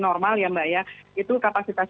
normal ya mbak ya itu kapasitas